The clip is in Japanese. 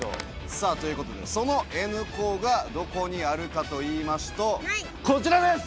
さあという事でそのＮ高がどこにあるかといいますとこちらです！